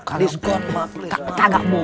tak tak tak bu